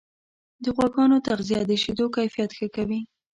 د غواګانو تغذیه د شیدو کیفیت ښه کوي.